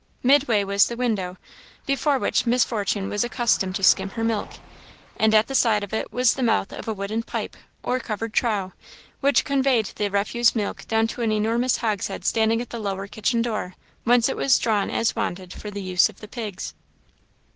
Midway was the window, before which Miss Fortune was accustomed to skim her milk; and at the side of it was the mouth of a wooden pipe, or covered trough, which conveyed the refuse milk down to an enormous hogshead standing at the lower kitchen door, whence it was drawn as wanted for the use of the pigs.